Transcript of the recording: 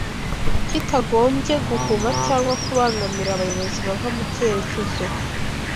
kitagombye guhuma cyangwa kubangamira abayobozi bava mu cyerekezo